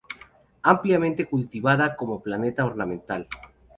Ampliamente cultivada como planta ornamental.